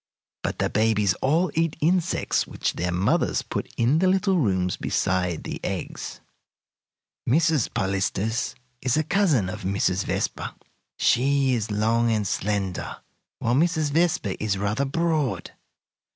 But the babies all eat insects which their mothers put in the little rooms beside the eggs. "Mrs. Polistes is a cousin of Mrs. Vespa. She is long and slender, while Mrs. Vespa is rather broad.